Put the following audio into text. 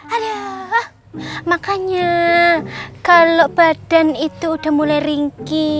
aduh makanya kalau badan itu udah mulai ringgi